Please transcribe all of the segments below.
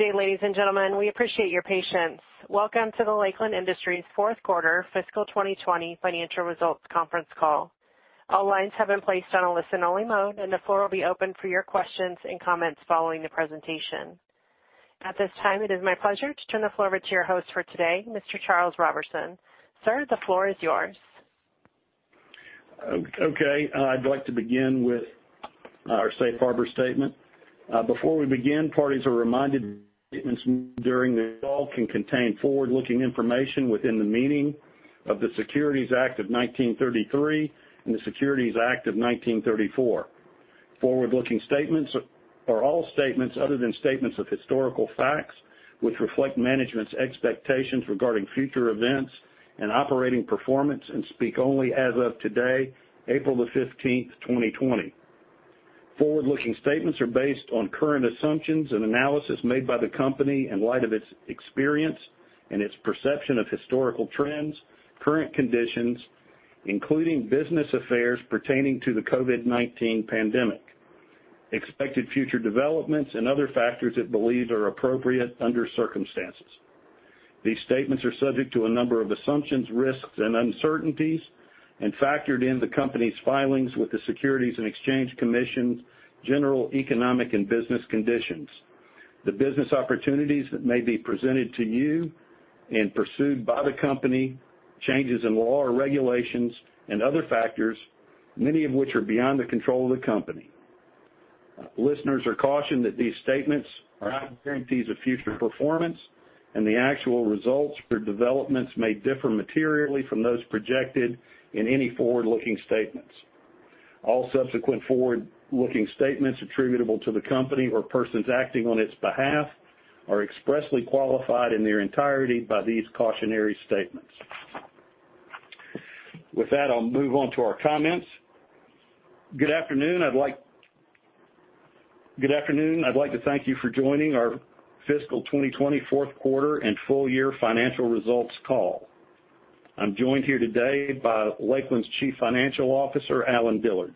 Good day, ladies and gentlemen. We appreciate your patience. Welcome to the Lakeland Industries fourth quarter fiscal 2020 financial results conference call. All lines have been placed on a listen-only mode, and the floor will be open for your questions and comments following the presentation. At this time, it is my pleasure to turn the floor over to your host for today, Mr. Charles Roberson. Sir, the floor is yours. Okay. I'd like to begin with our safe harbor statement. Before we begin, parties are reminded statements during the call can contain forward-looking information within the meaning of the Securities Act of 1933 and the Securities Act of 1934. Forward-looking statements are all statements other than statements of historical facts, which reflect management's expectations regarding future events and operating performance and speak only as of today, April the 15th, 2020. Forward-looking statements are based on current assumptions and analysis made by the company in light of its experience and its perception of historical trends, current conditions, including business affairs pertaining to the COVID-19 pandemic, expected future developments, and other factors it believes are appropriate under circumstances. These statements are subject to a number of assumptions, risks, and uncertainties, and factored in the company's filings with the Securities and Exchange Commission, general economic and business conditions, the business opportunities that may be presented to you and pursued by the company, changes in law or regulations, and other factors, many of which are beyond the control of the company. Listeners are cautioned that these statements are not guarantees of future performance, and the actual results or developments may differ materially from those projected in any forward-looking statements. All subsequent forward-looking statements attributable to the company or persons acting on its behalf are expressly qualified in their entirety by these cautionary statements. With that, I'll move on to our comments. Good afternoon. I'd like to thank you for joining our fiscal 2020 fourth quarter and full year financial results call. I'm joined here today by Lakeland's Chief Financial Officer, Allen Dillard.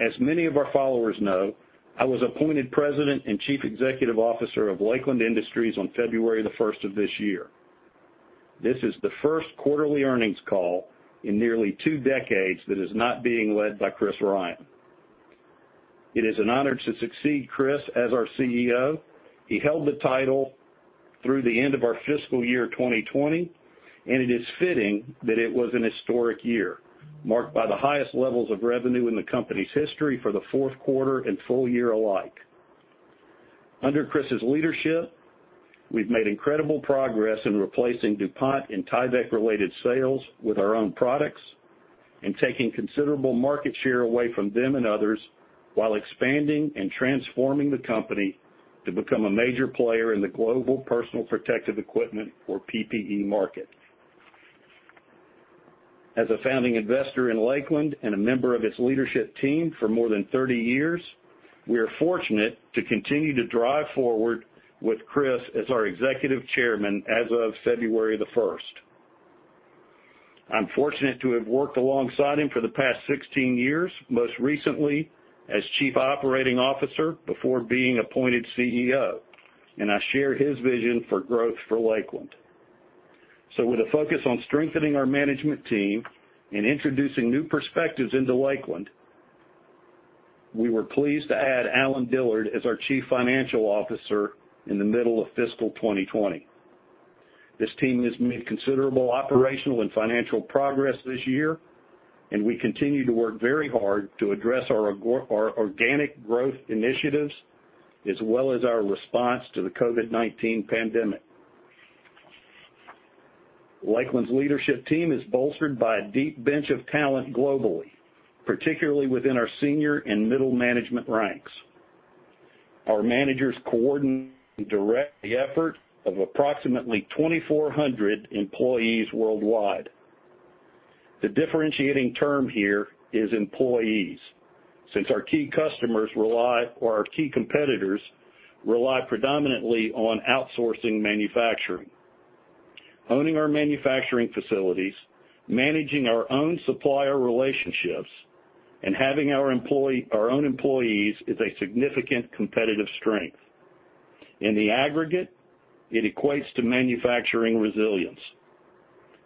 As many of our followers know, I was appointed President and Chief Executive Officer of Lakeland Industries on February the 1st of this year. This is the first quarterly earnings call in nearly two decades that is not being led by Chris Ryan. It is an honor to succeed Chris as our CEO. He held the title through the end of our fiscal year 2020, and it is fitting that it was an historic year, marked by the highest levels of revenue in the company's history for the fourth quarter and full year alike. Under Chris's leadership, we've made incredible progress in replacing DuPont and Tyvek related sales with our own products and taking considerable market share away from them and others while expanding and transforming the company to become a major player in the global personal protective equipment, or PPE, market. As a founding investor in Lakeland and a member of its leadership team for more than 30 years, we are fortunate to continue to drive forward with Chris as our Executive Chairman as of February the 1st. I'm fortunate to have worked alongside him for the past 16 years, most recently as Chief Operating Officer before being appointed CEO, and I share his vision for growth for Lakeland. With a focus on strengthening our management team and introducing new perspectives into Lakeland, we were pleased to add Allen Dillard as our Chief Financial Officer in the middle of fiscal 2020. This team has made considerable operational and financial progress this year, and we continue to work very hard to address our organic growth initiatives, as well as our response to the COVID-19 pandemic. Lakeland's leadership team is bolstered by a deep bench of talent globally, particularly within our senior and middle management ranks. Our managers coordinate and direct the effort of approximately 2,400 employees worldwide. The differentiating term here is employees, since our key competitors rely predominantly on outsourcing manufacturing. Owning our manufacturing facilities, managing our own supplier relationships, and having our own employees is a significant competitive strength. In the aggregate, it equates to manufacturing resilience.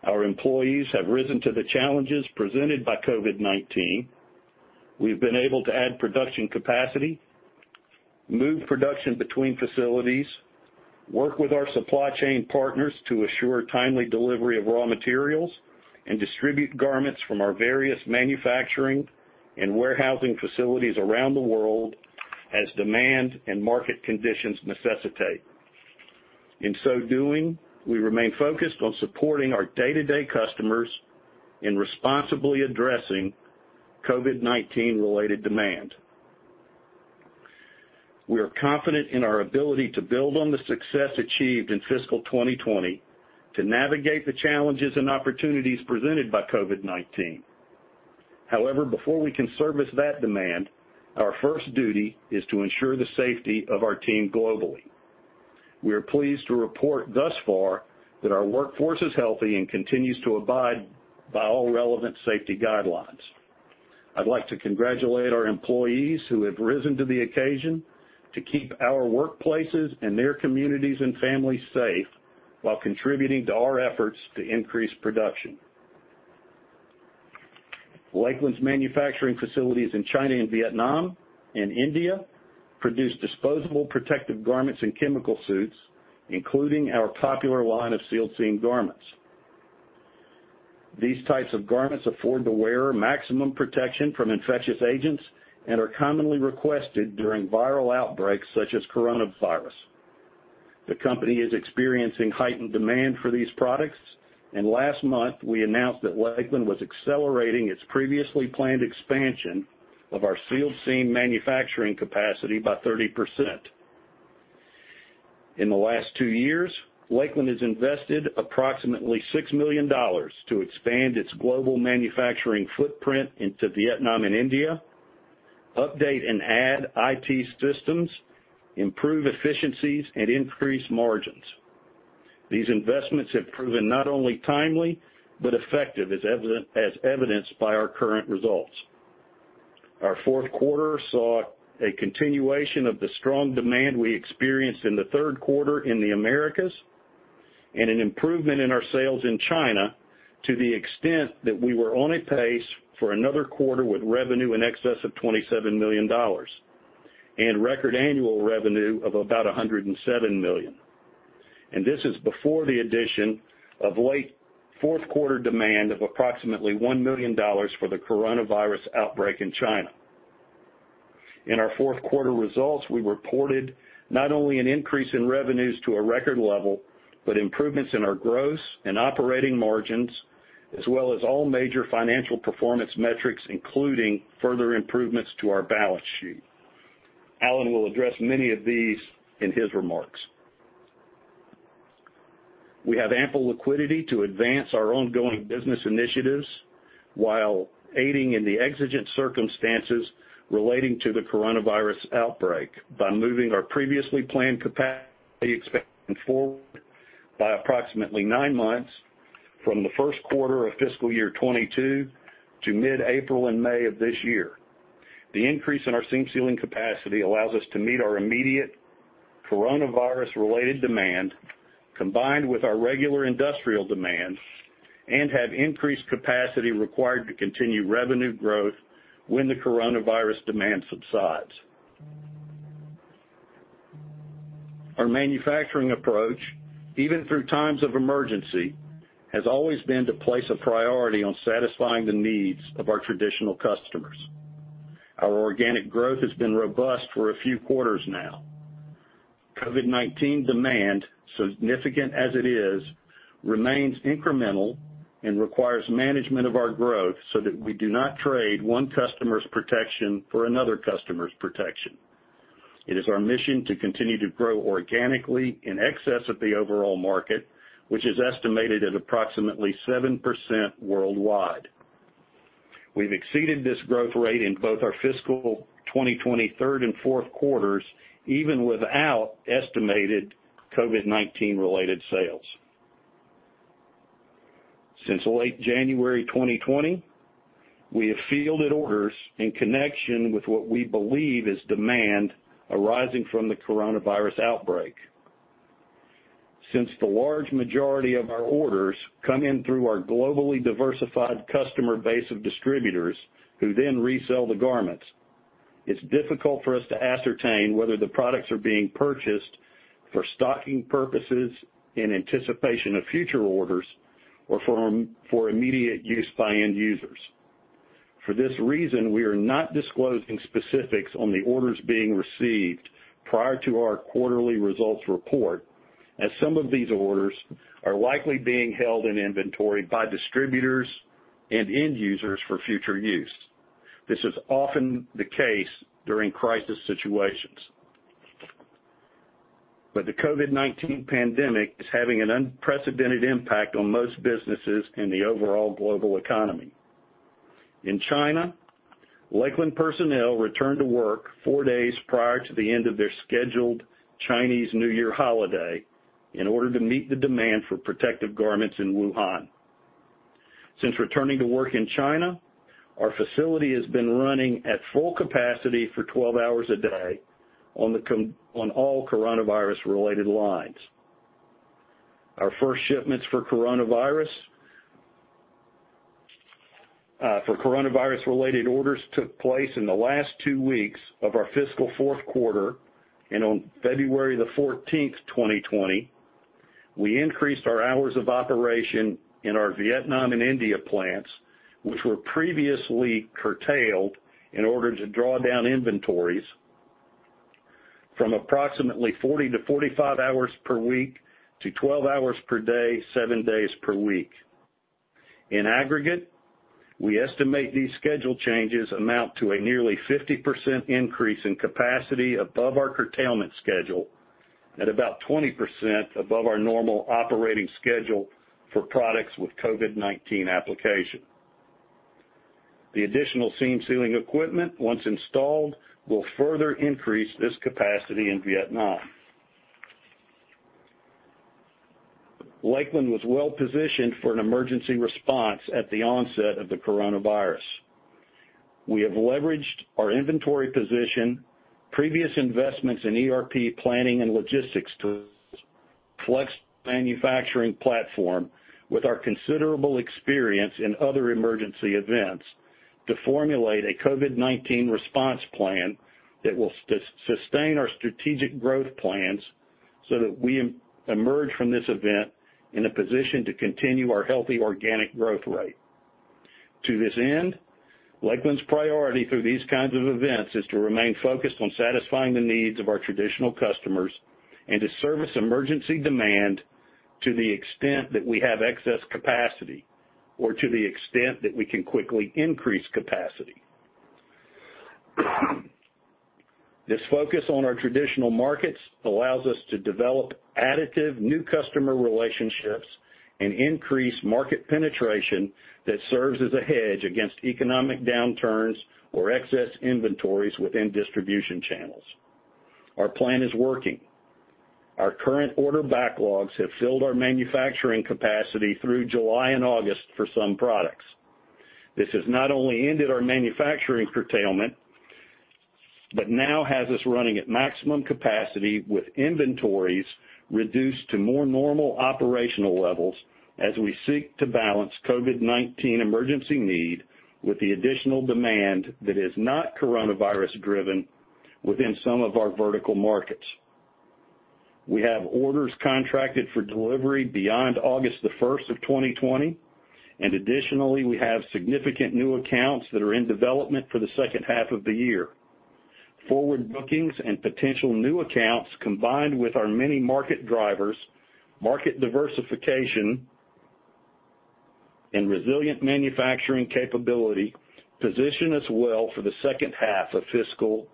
Our employees have risen to the challenges presented by COVID-19. We've been able to add production capacity, move production between facilities, work with our supply chain partners to assure timely delivery of raw materials, and distribute garments from our various manufacturing and warehousing facilities around the world as demand and market conditions necessitate. In so doing, we remain focused on supporting our day-to-day customers in responsibly addressing COVID-19 related demand. We are confident in our ability to build on the success achieved in fiscal 2020 to navigate the challenges and opportunities presented by COVID-19. However, before we can service that demand, our first duty is to ensure the safety of our team globally. We are pleased to report thus far that our workforce is healthy and continues to abide by all relevant safety guidelines. I'd like to congratulate our employees who have risen to the occasion to keep our workplaces and their communities and families safe while contributing to our efforts to increase production. Lakeland's manufacturing facilities in China and Vietnam and India produce disposable protective garments and chemical suits, including our popular line of sealed seam garments. These types of garments afford the wearer maximum protection from infectious agents and are commonly requested during viral outbreaks such as coronavirus. The company is experiencing heightened demand for these products, and last month, we announced that Lakeland was accelerating its previously planned expansion of our sealed seam manufacturing capacity by 30%. In the last two years, Lakeland has invested approximately $6 million to expand its global manufacturing footprint into Vietnam and India, update and add IT systems, improve efficiencies, and increase margins. These investments have proven not only timely but effective, as evidenced by our current results. Our fourth quarter saw a continuation of the strong demand we experienced in the third quarter in the Americas, and an improvement in our sales in China to the extent that we were on a pace for another quarter with revenue in excess of $27 million, and record annual revenue of about $107 million. This is before the addition of late fourth quarter demand of approximately $1 million for the coronavirus outbreak in China. In our fourth quarter results, we reported not only an increase in revenues to a record level, but improvements in our gross and operating margins, as well as all major financial performance metrics, including further improvements to our balance sheet. Allen will address many of these in his remarks. We have ample liquidity to advance our ongoing business initiatives while aiding in the exigent circumstances relating to the coronavirus outbreak by moving our previously planned capacity expansion forward by approximately nine months from the first quarter of fiscal year 2022 to mid-April and May of this year. The increase in our seam sealing capacity allows us to meet our immediate coronavirus-related demand, combined with our regular industrial demand, and have increased capacity required to continue revenue growth when the coronavirus demand subsides. Our manufacturing approach, even through times of emergency, has always been to place a priority on satisfying the needs of our traditional customers. Our organic growth has been robust for a few quarters now. COVID-19 demand, significant as it is, remains incremental and requires management of our growth so that we do not trade one customer's protection for another customer's protection. It is our mission to continue to grow organically in excess of the overall market, which is estimated at approximately 7% worldwide. We've exceeded this growth rate in both our fiscal 2020 third and fourth quarters, even without estimated COVID-19 related sales. Since late January 2020, we have fielded orders in connection with what we believe is demand arising from the coronavirus outbreak. Since the large majority of our orders come in through our globally diversified customer base of distributors who then resell the garments, it's difficult for us to ascertain whether the products are being purchased for stocking purposes in anticipation of future orders, or for immediate use by end users. For this reason, we are not disclosing specifics on the orders being received prior to our quarterly results report, as some of these orders are likely being held in inventory by distributors and end users for future use. This is often the case during crisis situations. The COVID-19 pandemic is having an unprecedented impact on most businesses in the overall global economy. In China, Lakeland personnel returned to work four days prior to the end of their scheduled Chinese New Year holiday in order to meet the demand for protective garments in Wuhan. Since returning to work in China, our facility has been running at full capacity for 12 hours a day on all coronavirus-related lines. Our first shipments for coronavirus-related orders took place in the last two weeks of our fiscal fourth quarter. On February 14th, 2020, we increased our hours of operation in our Vietnam and India plants, which were previously curtailed in order to draw down inventories from approximately 40-45 hours per week to 12 hours per day, 7 days per week. In aggregate, we estimate these schedule changes amount to a nearly 50% increase in capacity above our curtailment schedule at about 20% above our normal operating schedule for products with COVID-19 application. The additional seam sealing equipment, once installed, will further increase this capacity in Vietnam. Lakeland was well-positioned for an emergency response at the onset of the coronavirus. We have leveraged our inventory position, previous investments in ERP planning and logistics to flex manufacturing platform with our considerable experience in other emergency events to formulate a COVID-19 response plan that will sustain our strategic growth plans so that we emerge from this event in a position to continue our healthy organic growth rate. To this end, Lakeland's priority through these kinds of events is to remain focused on satisfying the needs of our traditional customers, and to service emergency demand to the extent that we have excess capacity, or to the extent that we can quickly increase capacity. This focus on our traditional markets allows us to develop additive new customer relationships and increase market penetration that serves as a hedge against economic downturns or excess inventories within distribution channels. Our plan is working. Our current order backlogs have filled our manufacturing capacity through July and August for some products. This has not only ended our manufacturing curtailment, but now has us running at maximum capacity with inventories reduced to more normal operational levels as we seek to balance COVID-19 emergency need with the additional demand that is not coronavirus driven within some of our vertical markets. We have orders contracted for delivery beyond August 1st, 2020, and additionally, we have significant new accounts that are in development for the second half of the year. Forward bookings and potential new accounts, combined with our many market drivers, market diversification, and resilient manufacturing capability, position us well for the second half of fiscal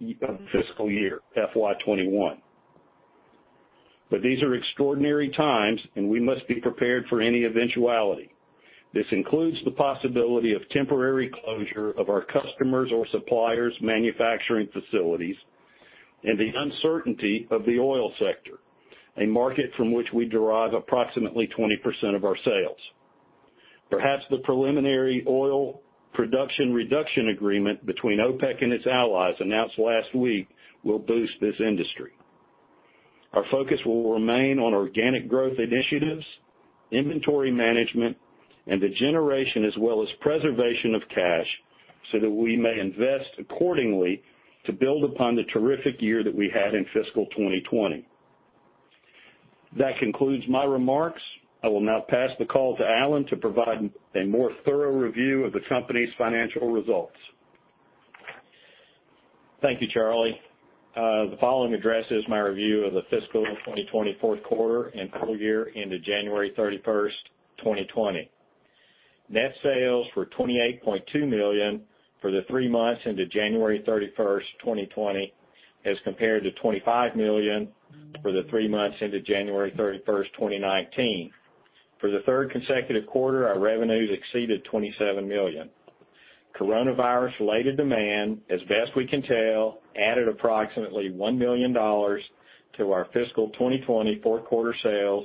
year FY 2021. These are extraordinary times, and we must be prepared for any eventuality. This includes the possibility of temporary closure of our customers' or suppliers' manufacturing facilities and the uncertainty of the oil sector, a market from which we derive approximately 20% of our sales. Perhaps the preliminary oil production reduction agreement between OPEC and its allies announced last week will boost this industry. Our focus will remain on organic growth initiatives, inventory management, and the generation as well as preservation of cash so that we may invest accordingly to build upon the terrific year that we had in fiscal 2020. That concludes my remarks. I will now pass the call to Allen to provide a more thorough review of the company's financial results. Thank you, Charlie. The following address is my review of the fiscal 2020 fourth quarter and full year ended January 31st, 2020. Net sales were $28.2 million for the three months ended January 31st, 2020, as compared to $25 million for the three months ended January 31st, 2019. For the third consecutive quarter, our revenues exceeded $27 million. Coronavirus-related demand, as best we can tell, added approximately $1 million to our fiscal 2020 fourth quarter sales,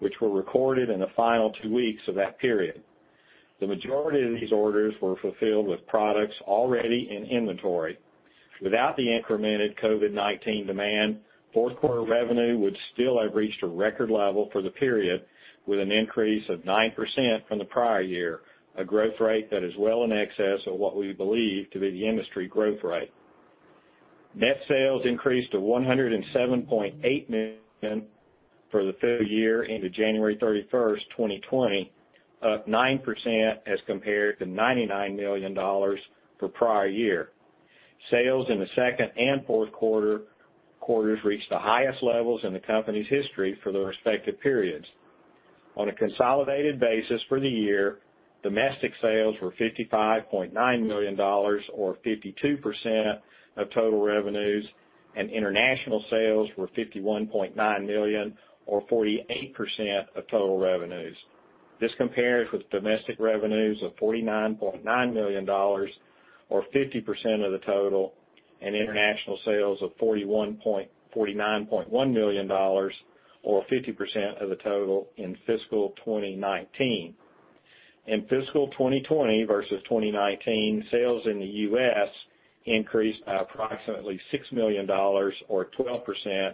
which were recorded in the final two weeks of that period. The majority of these orders were fulfilled with products already in inventory. Without the incremented COVID-19 demand, fourth quarter revenue would still have reached a record level for the period, with an increase of 9% from the prior year, a growth rate that is well in excess of what we believe to be the industry growth rate. Net sales increased to $107.8 million for the full year into January 31st, 2020, up 9% as compared to $99 million for prior year. Sales in the second and fourth quarters reached the highest levels in the company's history for the respective periods. On a consolidated basis for the year, domestic sales were $55.9 million, or 52% of total revenues, and international sales were $51.9 million, or 48% of total revenues. This compares with domestic revenues of $49.9 million, or 50% of the total, and international sales of $49.1 million, or 50% of the total, in fiscal 2019. In fiscal 2020 versus 2019, sales in the U.S. increased by approximately $6 million, or 12%,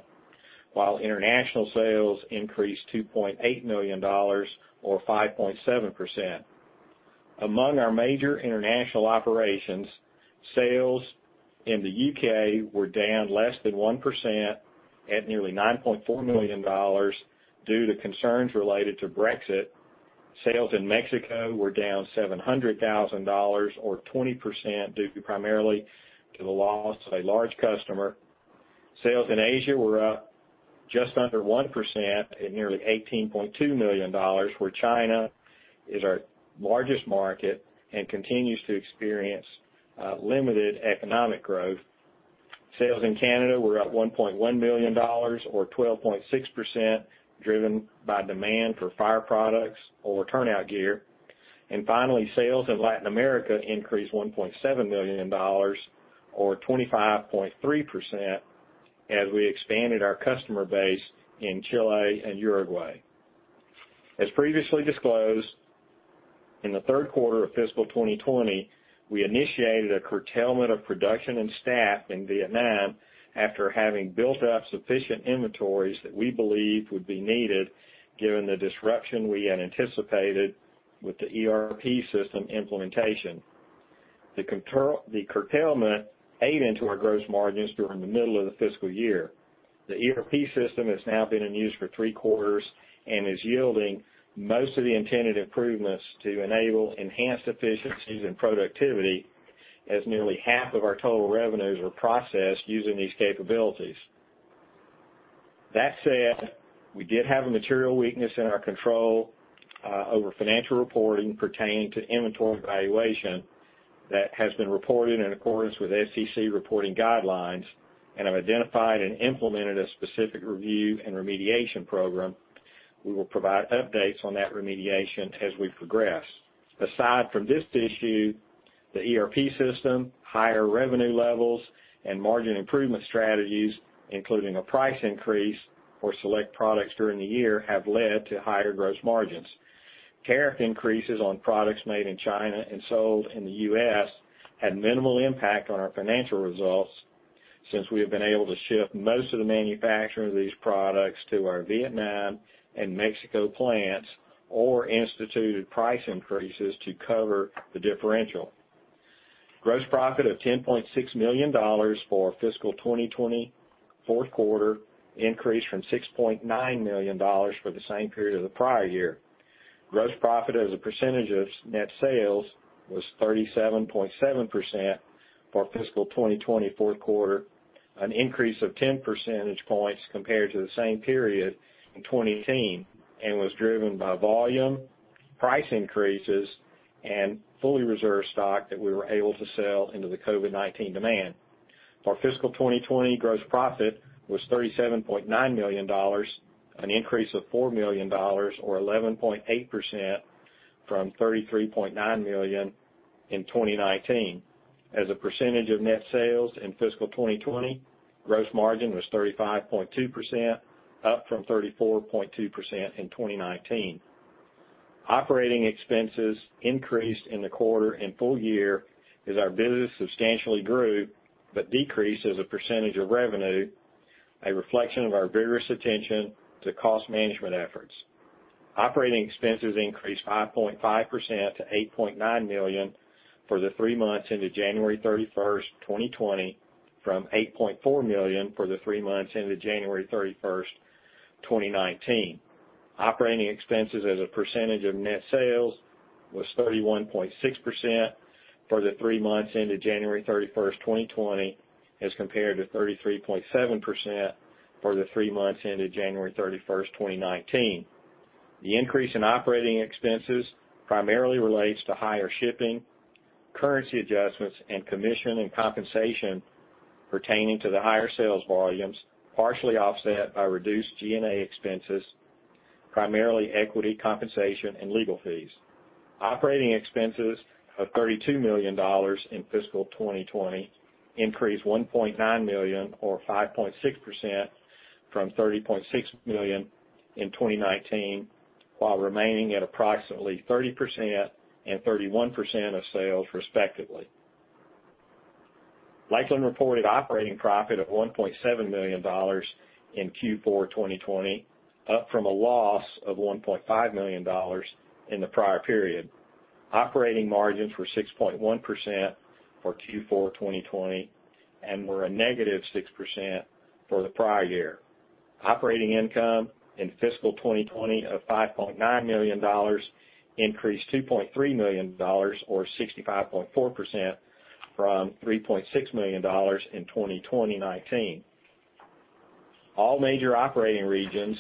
while international sales increased to $2.8 million or 5.7%. Among our major international operations, sales in the U.K. were down less than 1% at nearly $9.4 million due to concerns related to Brexit. Sales in Mexico were down $700,000, or 20%, due primarily to the loss of a large customer. Sales in Asia were up just under 1% at nearly $18.2 million, where China is our largest market and continues to experience limited economic growth. Sales in Canada were up $1.1 million, or 12.6%, driven by demand for fire products or turnout gear. Finally, sales in Latin America increased $1.7 million, or 25.3%, as we expanded our customer base in Chile and Uruguay. As previously disclosed, in the third quarter of fiscal 2020, we initiated a curtailment of production and staff in Vietnam after having built up sufficient inventories that we believed would be needed given the disruption we had anticipated with the ERP system implementation. The curtailment ate into our gross margins during the middle of the fiscal year. The ERP system has now been in use for three quarters and is yielding most of the intended improvements to enable enhanced efficiencies in productivity, as nearly half of our total revenues were processed using these capabilities. That said, we did have a material weakness in our control over financial reporting pertaining to inventory valuation that has been reported in accordance with SEC reporting guidelines, and have identified and implemented a specific review and remediation program. We will provide updates on that remediation as we progress. Aside from this issue, the ERP system, higher revenue levels, and margin improvement strategies, including a price increase for select products during the year, have led to higher gross margins. Tariff increases on products made in China and sold in the U.S. had minimal impact on our financial results since we have been able to shift most of the manufacturing of these products to our Vietnam and Mexico plants, or instituted price increases to cover the differential. Gross profit of $10.6 million for fiscal 2020 fourth quarter increased from $6.9 million for the same period of the prior year. Gross profit as a percentage of net sales was 37.7% for fiscal 2020 fourth quarter, an increase of 10 percentage points compared to the same period in 2018, and was driven by volume, price increases, and fully reserved stock that we were able to sell into the COVID-19 demand. For fiscal 2020, gross profit was $37.9 million, an increase of $4 million, or 11.8%, from $33.9 million in 2019. As a percentage of net sales in fiscal 2020, gross margin was 35.2%, up from 34.2% in 2019. Operating expenses increased in the quarter and full year as our business substantially grew, but decreased as a percentage of revenue, a reflection of our vigorous attention to cost management efforts. Operating expenses increased 5.5% to $8.9 million for the three months into January 31st, 2020, from $8.4 million for the three months into January 31st, 2019. Operating expenses as a percentage of net sales was 31.6% for the three months into January 31st, 2020, as compared to 33.7% for the three months into January 31st, 2019. The increase in operating expenses primarily relates to higher shipping, currency adjustments, and commission and compensation pertaining to the higher sales volumes, partially offset by reduced G&A expenses, primarily equity compensation and legal fees. Operating expenses of $32 million in fiscal 2020 increased $1.9 million or 5.6% from $30.6 million in 2019, while remaining at approximately 30% and 31% of sales respectively. Lakeland reported operating profit of $1.7 million in Q4 2020, up from a loss of $1.5 million in the prior period. Operating margins were 6.1% for Q4 2020, and were a negative 6% for the prior year. Operating income in fiscal 2020 of $5.9 million increased $2.3 million, or 65.4%, from $3.6 million in 2019. All major operating regions,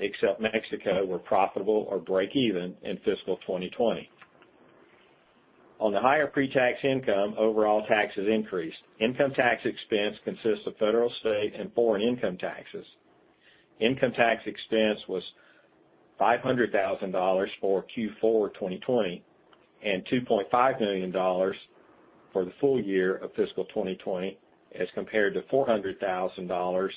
except Mexico, were profitable or break even in fiscal 2020. On the higher pre-tax income, overall taxes increased. Income tax expense consists of federal, state, and foreign income taxes. Income tax expense was $500,000 for Q4 2020 and $2.5 million for the full year of fiscal 2020 as compared to $400,000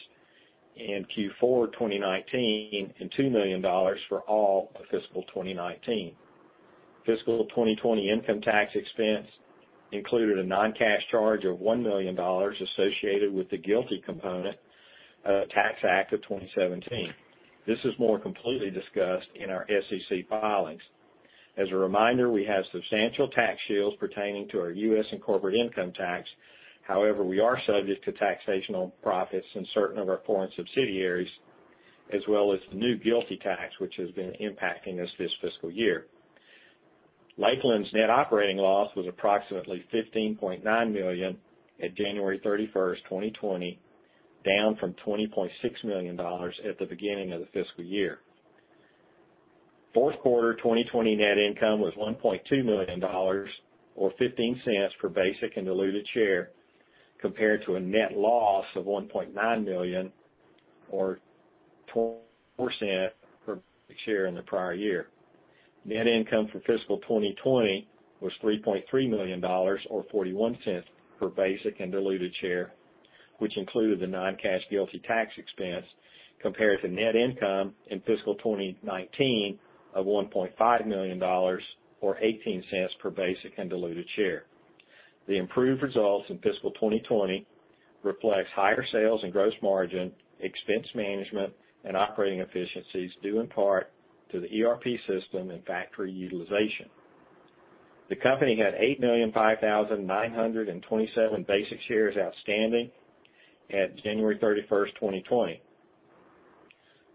in Q4 2019 and $2 million for all of fiscal 2019. Fiscal 2020 income tax expense included a non-cash charge of $1 million associated with the GILTI component, Tax Act of 2017. This is more completely discussed in our SEC filings. As a reminder, we have substantial tax shields pertaining to our U.S. and corporate income tax. However, we are subject to taxation on profits in certain of our foreign subsidiaries, as well as the new GILTI tax, which has been impacting us this fiscal year. Lakeland's net operating loss was approximately $15.9 million at January 31st, 2020, down from $20.6 million at the beginning of the fiscal year. Fourth quarter 2020 net income was $1.2 million, or $0.15 per basic and diluted share, compared to a net loss of $1.9 million, or $0.24 per share in the prior year. Net income for fiscal 2020 was $3.3 million, or $0.41 per basic and diluted share, which included the non-cash GILTI tax expense compared to net income in fiscal 2019 of $1.5 million or $0.18 per basic and diluted share. The improved results in fiscal 2020 reflects higher sales and gross margin, expense management, and operating efficiencies due in part to the ERP system and factory utilization. The company had 8,005,927 basic shares outstanding at January 31st, 2020.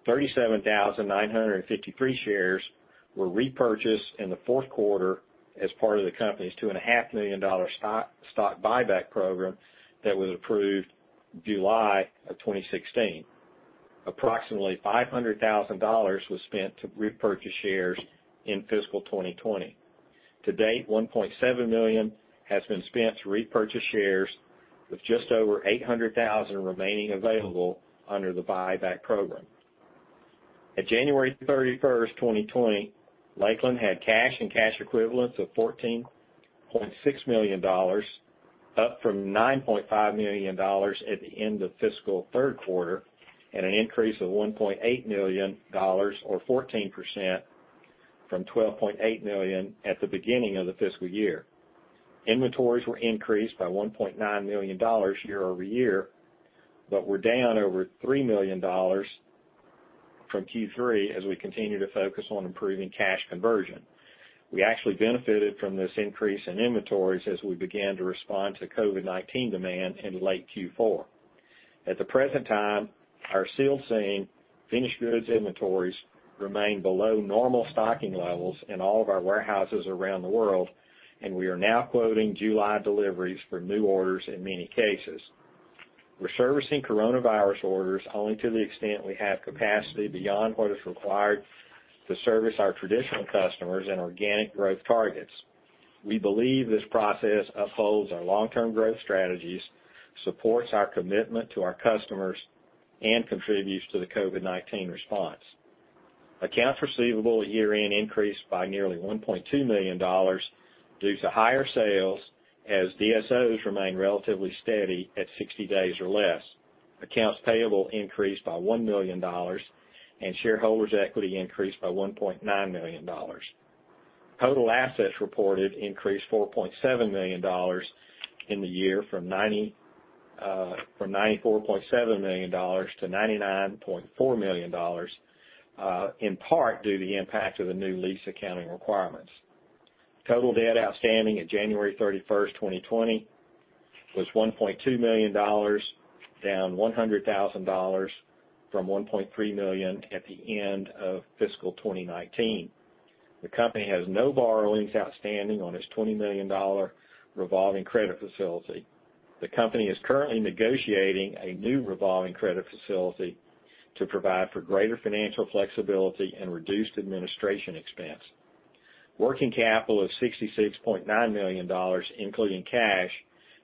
37,953 shares were repurchased in the fourth quarter as part of the company's $2.5 million stock buyback program that was approved July of 2016. Approximately $500,000 was spent to repurchase shares in fiscal 2020. To date, $1.7 million has been spent to repurchase shares with just over $800,000 remaining available under the buyback program. At January 31st, 2020, Lakeland had cash and cash equivalents of $14.6 million, up from $9.5 million at the end of fiscal third quarter, and an increase of $1.8 million or 14% from $12.8 million at the beginning of the fiscal year. Inventories were increased by $1.9 million year-over-year, but were down over $3 million from Q3 as we continue to focus on improving cash conversion. We actually benefited from this increase in inventories as we began to respond to COVID-19 demand in late Q4. At the present time, our sealed seam finished goods inventories remain below normal stocking levels in all of our warehouses around the world, and we are now quoting July deliveries for new orders in many cases. We're servicing coronavirus orders only to the extent we have capacity beyond what is required to service our traditional customers and organic growth targets. We believe this process upholds our long-term growth strategies, supports our commitment to our customers, and contributes to the COVID-19 response. Accounts receivable year-end increased by nearly $1.2 million due to higher sales, as DSOs remain relatively steady at 60 days or less. Accounts payable increased by $1 million, and shareholders' equity increased by $1.9 million. Total assets reported increased $4.7 million in the year from $94.7 million to $99.4 million, in part due to the impact of the new lease accounting requirements. Total debt outstanding at January 31st, 2020 was $1.2 million, down $100,000 from $1.3 million at the end of fiscal 2019. The company has no borrowings outstanding on its $20 million revolving credit facility. The company is currently negotiating a new revolving credit facility to provide for greater financial flexibility and reduced administration expense. Working capital of $66.9 million, including cash,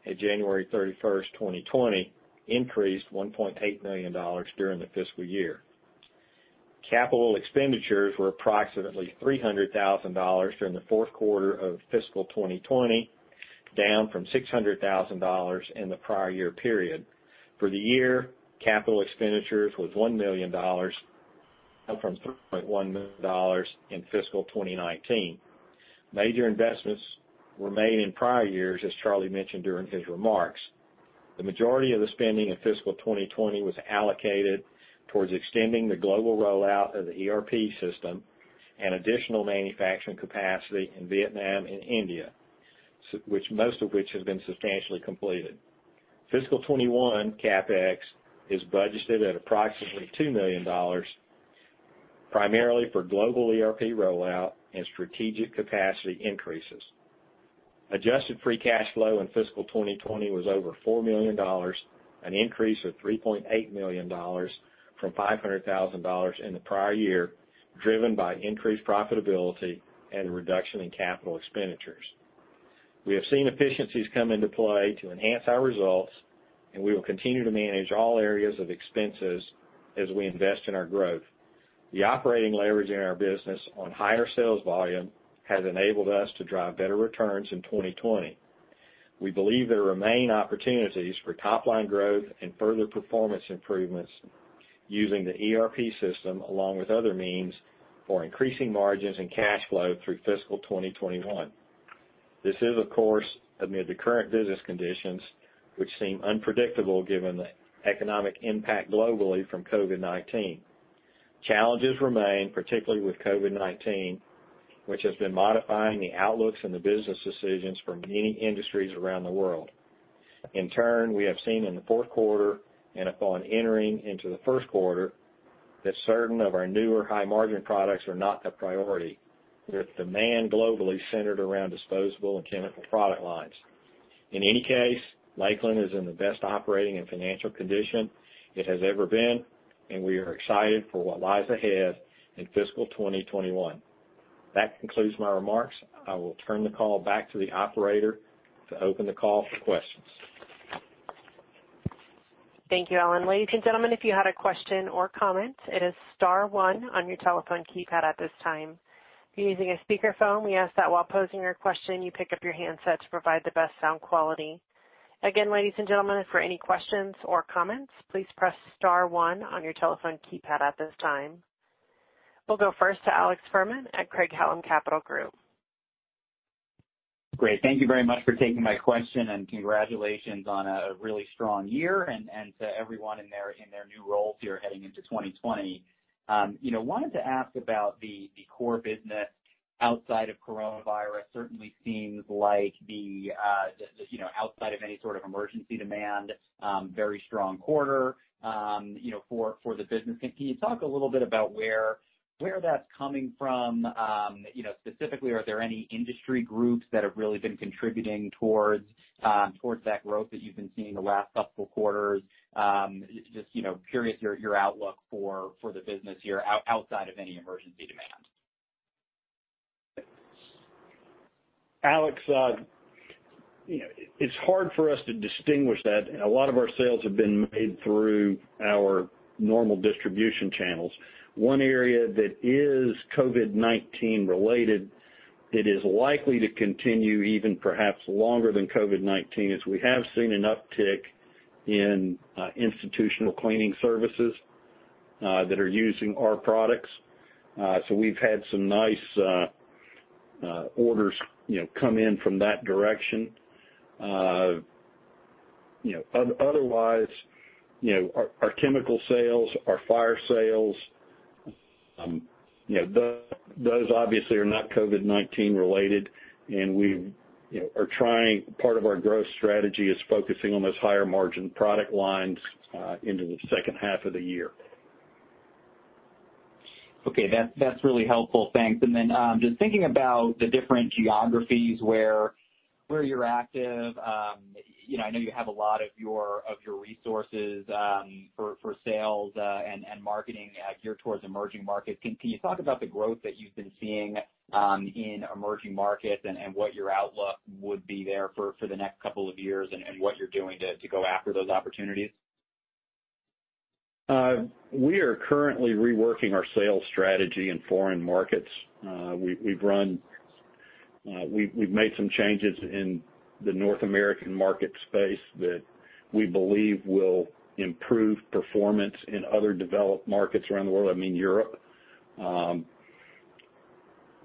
at January 31st, 2020, increased $1.8 million during the fiscal year. Capital expenditures were approximately $300,000 during the fourth quarter of fiscal 2020, down from $600,000 in the prior year period. For the year, capital expenditures was $1 million, up from $3.1 million in fiscal 2019. Major investments were made in prior years, as Charlie mentioned during his remarks. The majority of the spending in fiscal 2020 was allocated towards extending the global rollout of the ERP system and additional manufacturing capacity in Vietnam and India, most of which have been substantially completed. Fiscal 2021 CapEx is budgeted at approximately $2 million, primarily for global ERP rollout and strategic capacity increases. Adjusted free cash flow in fiscal 2020 was over $4 million, an increase of $3.8 million from $500,000 in the prior year, driven by increased profitability and a reduction in capital expenditures. We have seen efficiencies come into play to enhance our results. We will continue to manage all areas of expenses as we invest in our growth. The operating leverage in our business on higher sales volume has enabled us to drive better returns in 2020. We believe there remain opportunities for top-line growth and further performance improvements using the ERP system along with other means for increasing margins and cash flow through fiscal 2021. This is of course amid the current business conditions, which seem unpredictable given the economic impact globally from COVID-19. Challenges remain, particularly with COVID-19, which has been modifying the outlooks and the business decisions for many industries around the world. In turn, we have seen in the fourth quarter and upon entering into the first quarter that certain of our newer high-margin products are not a priority, with demand globally centered around disposable and chemical product lines. In any case, Lakeland is in the best operating and financial condition it has ever been, and we are excited for what lies ahead in fiscal 2021. That concludes my remarks. I will turn the call back to the operator to open the call for questions. Thank you, Allen. Ladies and gentlemen, if you had a question or comment, it is star one on your telephone keypad at this time. If you're using a speakerphone, we ask that while posing your question, you pick up your handset to provide the best sound quality. Again, ladies and gentlemen, for any questions or comments, please press star one on your telephone keypad at this time. We'll go first to Alex Fuhrman at Craig-Hallum Capital Group. Great. Thank you very much for taking my question. Congratulations on a really strong year, and to everyone in their new roles here heading into 2020. Wanted to ask about the core business outside of coronavirus. Certainly seems like the outside of any sort of emergency demand, very strong quarter for the business. Can you talk a little bit about where that's coming from? Specifically, are there any industry groups that have really been contributing towards that growth that you've been seeing the last couple quarters? Just curious your outlook for the business here outside of any emergency demand. Alex, it's hard for us to distinguish that. A lot of our sales have been made through our normal distribution channels. One area that is COVID-19 related that is likely to continue even perhaps longer than COVID-19, is we have seen an uptick in institutional cleaning services that are using our products. We've had some nice orders come in from that direction. Otherwise, our chemical sales, our fire sales, those obviously are not COVID-19 related, and part of our growth strategy is focusing on those higher margin product lines into the second half of the year. Okay. That's really helpful, thanks. Just thinking about the different geographies where you're active. I know you have a lot of your resources for sales and marketing geared towards emerging markets. Can you talk about the growth that you've been seeing in emerging markets and what your outlook would be there for the next couple of years, and what you're doing to go after those opportunities? We are currently reworking our sales strategy in foreign markets. We've made some changes in the North American market space that we believe will improve performance in other developed markets around the world, I mean, Europe.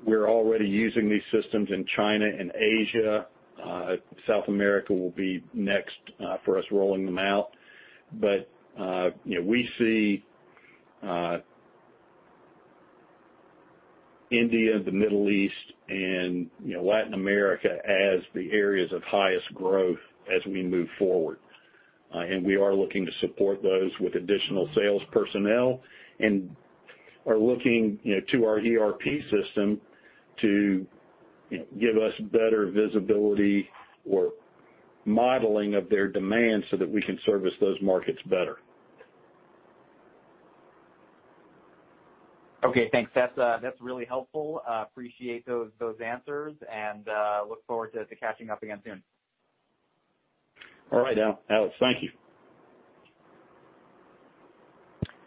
We're already using these systems in China and Asia. South America will be next for us rolling them out. We see India, the Middle East, and Latin America as the areas of highest growth as we move forward. We are looking to support those with additional sales personnel, and are looking to our ERP system to give us better visibility or modeling of their demand so that we can service those markets better. Okay, thanks. That's really helpful. Appreciate those answers and look forward to catching up again soon. All right, Alex. Thank you.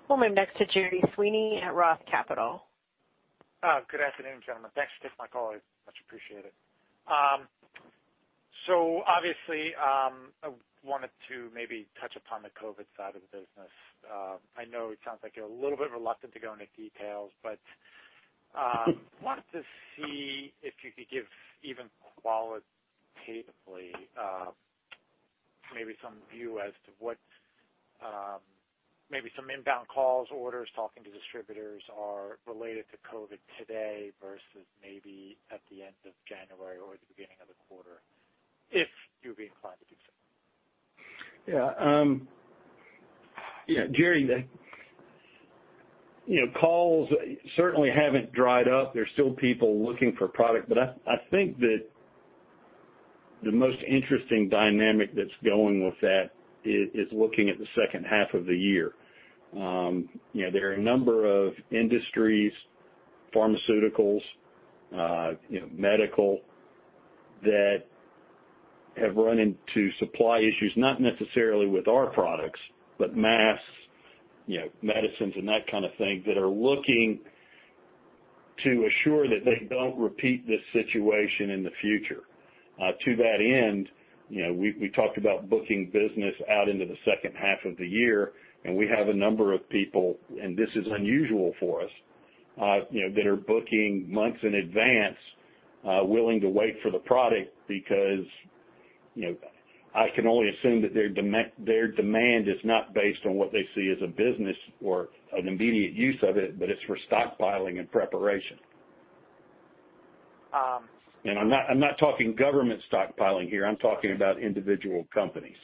We'll move next to Gerry Sweeney at ROTH Capital. Good afternoon, gentlemen. Thanks for taking my call. I much appreciate it. Obviously, I wanted to maybe touch upon the COVID-19 side of the business. I know it sounds like you're a little bit reluctant to go into details, but wanted to see if you could give even qualitatively maybe some view as to what maybe some inbound calls, orders, talking to distributors are related to COVID-19 today versus maybe at the end of January or the beginning of the quarter, if you would be inclined to do so? Yeah. Gerry, calls certainly haven't dried up. There's still people looking for product. I think that the most interesting dynamic that's going with that is looking at the second half of the year. There are a number of industries, pharmaceuticals, medical, that have run into supply issues, not necessarily with our products, but masks, medicines and that kind of thing, that are looking to assure that they don't repeat this situation in the future. To that end, we talked about booking business out into the second half of the year, and we have a number of people, and this is unusual for us, that are booking months in advance, willing to wait for the product because I can only assume that their demand is not based on what they see as a business or an immediate use of it, but it's for stockpiling and preparation. Um- I'm not talking government stockpiling here. I'm talking about individual companies.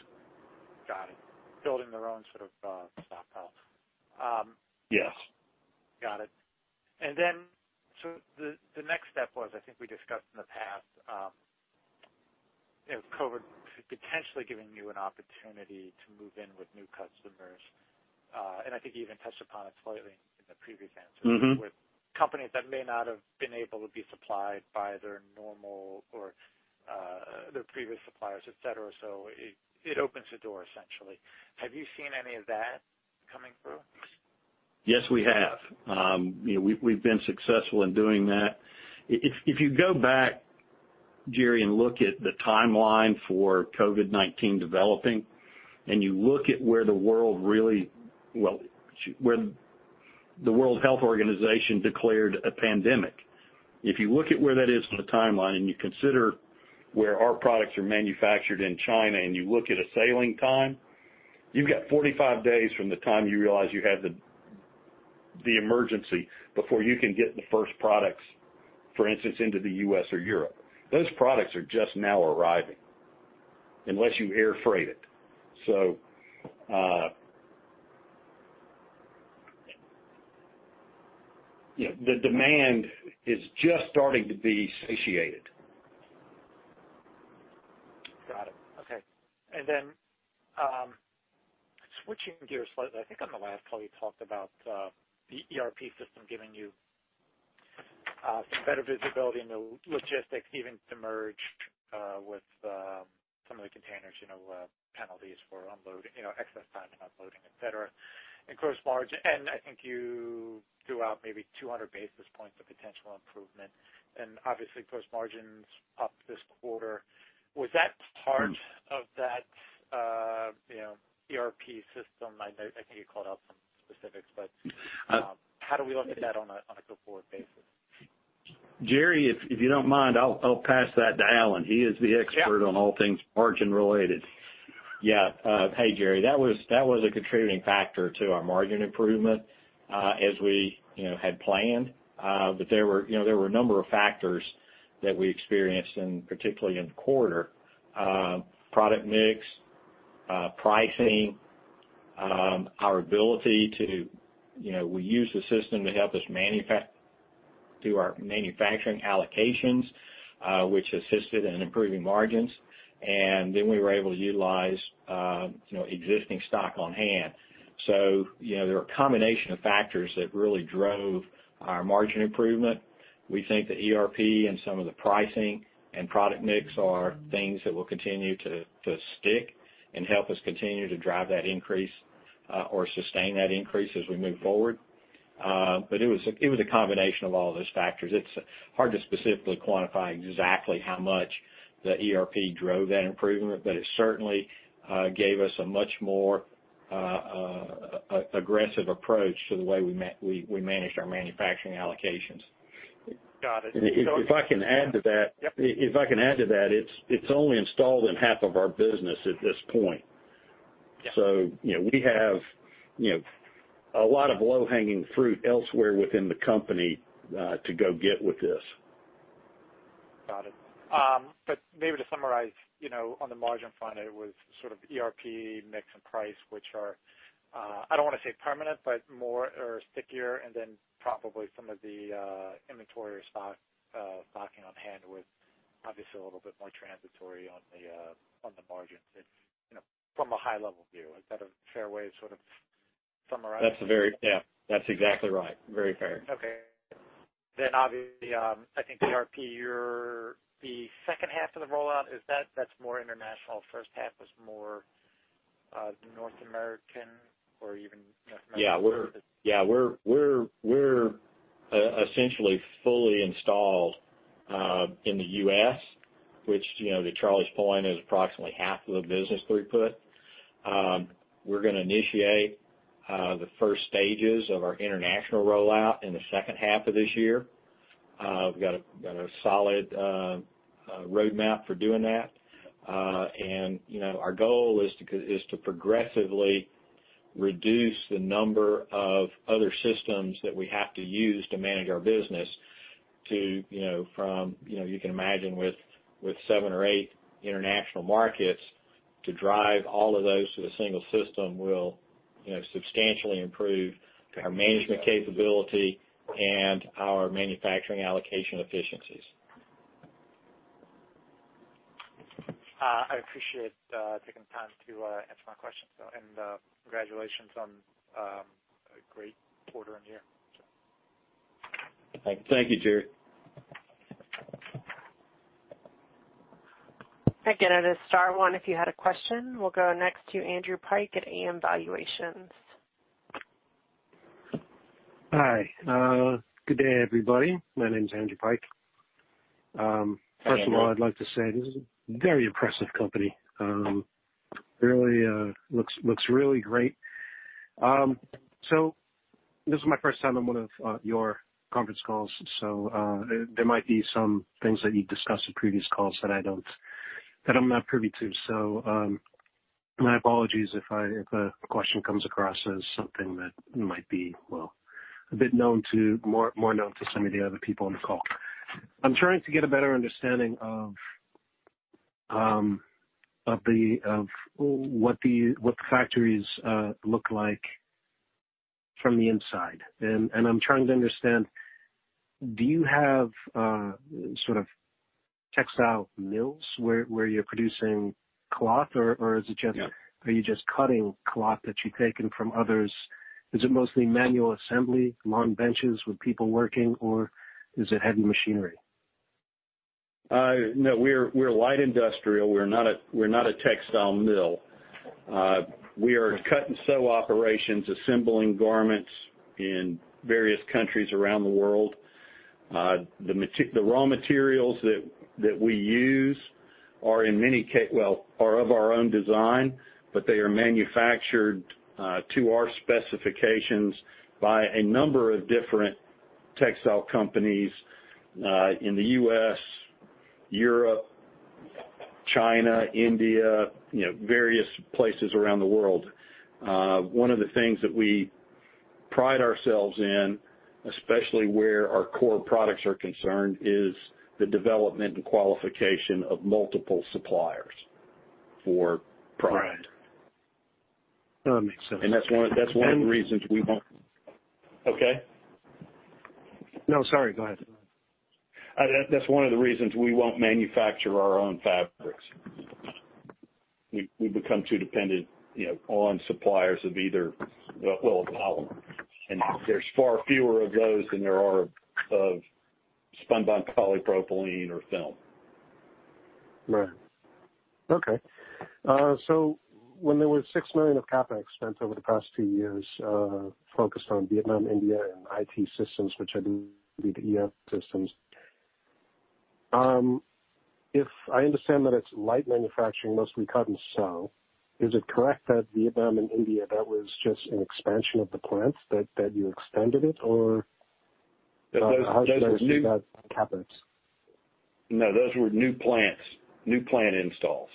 Got it. Building their own sort of stockpile. Yes. Got it. The next step was, I think we discussed in the past COVID has potentially given you an opportunity to move in with new customers. I think you even touched upon it slightly in the previous answer. with companies that may not have been able to be supplied by their normal or their previous suppliers, et cetera. It opens the door, essentially. Have you seen any of that coming through? Yes, we have. We've been successful in doing that. If you go back, Gerry, and look at the timeline for COVID-19 developing, and you look at where the World Health Organization declared a pandemic. If you look at where that is on the timeline, and you consider where our products are manufactured in China, and you look at a sailing time, you've got 45 days from the time you realize you have the emergency before you can get the first products, for instance, into the U.S. or Europe. Those products are just now arriving, unless you air freight it. The demand is just starting to be satiated. Got it. Okay. Switching gears slightly, I think on the last call, you talked about the ERP system giving you some better visibility into logistics, even submerged with some of the containers penalties for excess time and offloading, et cetera. I think you threw out maybe 200 basis points of potential improvement, and obviously gross margins up this quarter. Was that part of that ERP system? I know I think you called out some specifics, how do we look at that on a go-forward basis? Gerry, if you don't mind, I'll pass that to Allen. He is the expert. Yeah ...on all things margin related. Yeah. Hey, Gerry. That was a contributing factor to our margin improvement, as we had planned. There were a number of factors that we experienced, and particularly in the quarter. Product mix, pricing, our ability to use the system to help us do our manufacturing allocations, which assisted in improving margins. We were able to utilize existing stock on hand. There were a combination of factors that really drove our margin improvement. We think the ERP and some of the pricing and product mix are things that will continue to stick and help us continue to drive that increase or sustain that increase as we move forward. It was a combination of all of those factors. It's hard to specifically quantify exactly how much the ERP drove that improvement, but it certainly gave us a much more aggressive approach to the way we managed our manufacturing allocations. Got it. If I can add to that. Yep ...it's only installed in half of our business at this point. Yeah. We have a lot of low-hanging fruit elsewhere within the company to go get with this. Got it. Maybe to summarize on the margin front, it was sort of ERP mix and price, which are, I don't want to say permanent, but more or stickier, and then probably some of the inventory or stocking on hand was obviously a little bit more transitory on the margins, from a high level view. Is that a fair way to sort of summarize? That's very Yeah. That's exactly right. Very fair. Okay. Obviously, I think the ERP, the second half of the rollout, that's more international. Yeah. We're essentially fully installed in the U.S., which to Charlie's point, is approximately half of the business throughput. We're gonna initiate the first stages of our international rollout in the second half of this year. We've got a solid roadmap for doing that. Our goal is to progressively reduce the number of other systems that we have to use to manage our business to from, you can imagine with seven or eight international markets, to drive all of those to a single system will substantially improve our management capability and our manufacturing allocation efficiencies. I appreciate taking the time to answer my questions, though. Congratulations on a great quarter and year. Thank you, Gerry. Again, it is star one if you had a question. We will go next to Andrew Pike at AN Valuations. Hi. Good day, everybody. My name is Andrew Pike. Hi, Andrew. First of all, I'd like to say this is a very impressive company. Looks really great. This is my first time on one of your conference calls, so there might be some things that you discussed in previous calls that I'm not privy to. My apologies if a question comes across as something that might be, well, a bit more known to some of the other people on the call. I'm trying to get a better understanding of what the factories look like from the inside. I'm trying to understand, do you have sort of textile mills where you're producing cloth, or are you just cutting cloth that you've taken from others? Is it mostly manual assembly, long benches with people working, or is it heavy machinery? No. We're light industrial. We're not a textile mill. We are cut-and-sew operations assembling garments in various countries around the world. The raw materials that we use are of our own design, but they are manufactured to our specifications by a number of different textile companies in the U.S., Europe, China, India, various places around the world. One of the things that we pride ourselves in, especially where our core products are concerned, is the development and qualification of multiple suppliers for product. Right. No, that makes sense. That's one of the reasons we won't. Okay. No, sorry. Go ahead. That's one of the reasons we won't manufacture our own fabrics. We become too dependent on suppliers of either, well, polymer. There's far fewer of those than there are of spunbond polypropylene or film. Right. Okay. When there was $6 million of CapEx spent over the past few years, focused on Vietnam, India, and IT systems, which I believe are the ERP systems. If I understand that it's light manufacturing, mostly cut and sew, is it correct that Vietnam and India, that was just an expansion of the plants, that you extended it or how does that happen? No, those were new plants, new plant installs.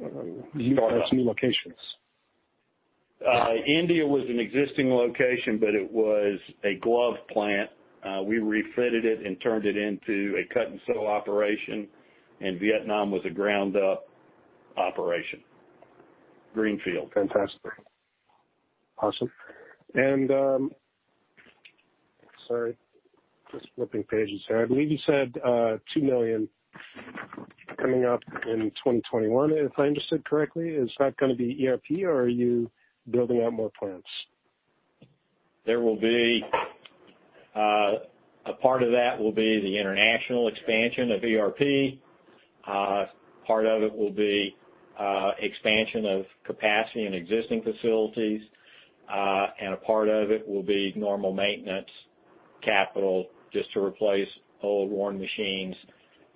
You installed new locations? India was an existing location, but it was a glove plant. We refitted it and turned it into a cut-and-sew operation, and Vietnam was a ground-up operation. Greenfield. Fantastic. Awesome. Sorry, just flipping pages here. I believe you said $2 million coming up in 2021. If I understood correctly, is that going to be ERP or are you building out more plants? A part of that will be the international expansion of ERP. Part of it will be expansion of capacity in existing facilities. A part of it will be normal maintenance capital just to replace old, worn machines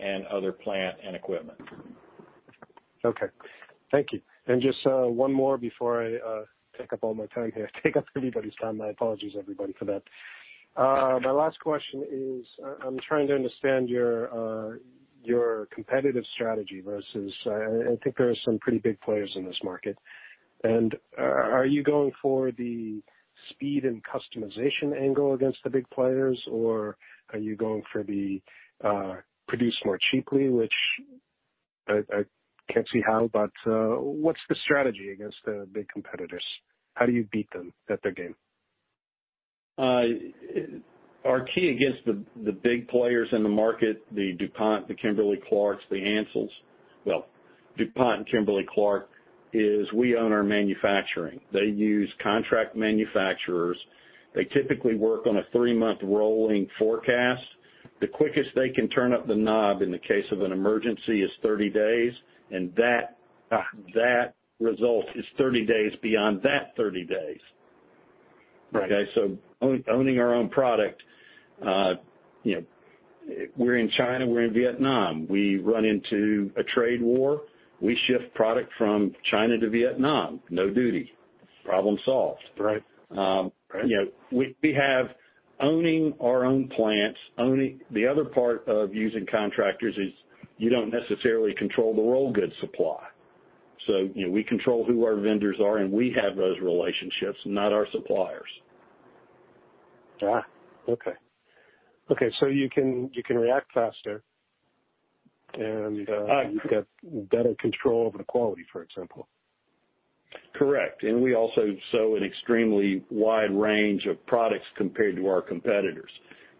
and other plant and equipment. Okay. Thank you. Just one more before I take up all my time here, take up everybody's time. My apologies, everybody, for that. My last question is, I'm trying to understand your competitive strategy versus I think there are some pretty big players in this market. Are you going for the speed and customization angle against the big players, or are you going for the produce more cheaply, which I can't see how, but, what's the strategy against the big competitors? How do you beat them at their game? Our key against the big players in the market, the DuPont, the Kimberly-Clark, the Ansell. Well, DuPont and Kimberly-Clark, is we own our manufacturing. They use contract manufacturers. They typically work on a three-month rolling forecast. The quickest they can turn up the knob in the case of an emergency is 30 days, and that result is 30 days beyond that 30 days. Right. Okay. Owning our own product, we're in China, we're in Vietnam. We run into a trade war, we shift product from China to Vietnam. No duty. Problem solved. Right. We have owning our own plants. The other part of using contractors is you don't necessarily control the raw goods supply. We control who our vendors are, and we have those relationships, not our suppliers. Okay. You can react faster and you've got better control over the quality, for example. Correct. We also sew an extremely wide range of products compared to our competitors.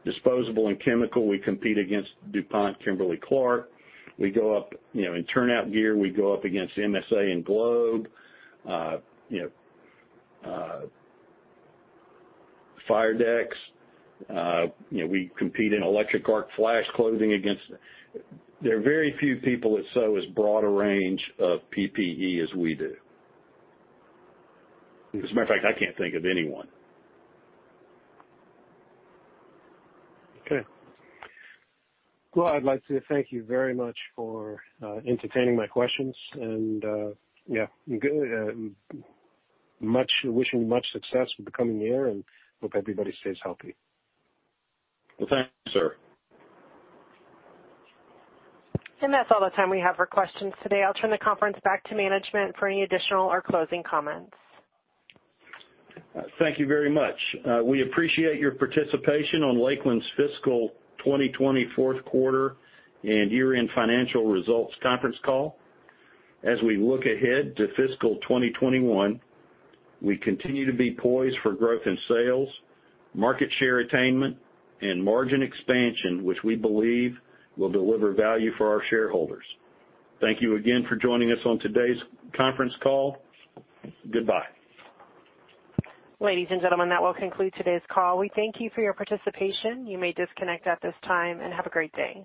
Disposable and chemical, we compete against DuPont, Kimberly-Clark. In turnout gear, we go up against MSA and Globe. Fire-Dex. We compete in electric arc flash clothing. There are very few people that sew as broad a range of PPE as we do. As a matter of fact, I can't think of anyone. Okay. Well, I'd like to thank you very much for entertaining my questions and wishing you much success with the coming year, and hope everybody stays healthy. Well, thank you, sir. That's all the time we have for questions today. I'll turn the conference back to management for any additional or closing comments. Thank you very much. We appreciate your participation on Lakeland's fiscal 2020 fourth quarter and year-end financial results conference call. As we look ahead to fiscal 2021, we continue to be poised for growth in sales, market share attainment, and margin expansion, which we believe will deliver value for our shareholders. Thank you again for joining us on today's conference call. Goodbye. Ladies and gentlemen, that will conclude today's call. We thank you for your participation. You may disconnect at this time, and have a great day.